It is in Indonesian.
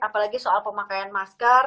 apalagi soal pemakaian masker